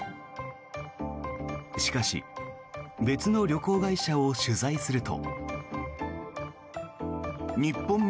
しかし、別の旅行会社を取材すると。